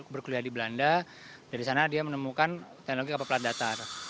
berkuliah di belanda dari sana dia menemukan teknologi kapal plat datar